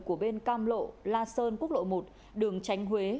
của bên cam lộ la sơn quốc lộ một đường tránh huế